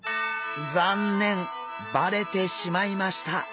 バレてしまいました。